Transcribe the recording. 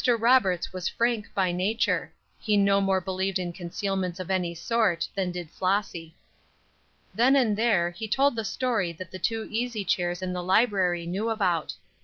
Roberts was frank by nature; he no more believed in concealments of any sort, than did Flossy. Then and there, he told the story that the two easy chairs in the library knew about.